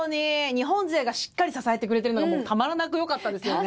日本勢がしっかり支えてくれてるのがたまらなくよかったですよね。